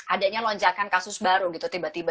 adanya lonjakan kasus baru gitu tiba tiba